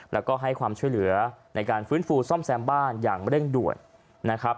แล้วก็ให้ความช่วยเหลือในการฟื้นฟูซ่อมแซมบ้านอย่างเร่งด่วนนะครับ